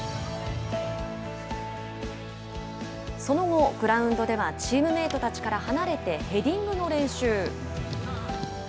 その後、グラウンドではチームメートたちから離れてヘディングの練習。